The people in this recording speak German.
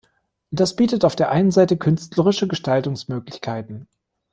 Das bietet auf der einen Seite künstlerische Gestaltungsmöglichkeiten.